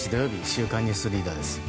「週刊ニュースリーダー」です。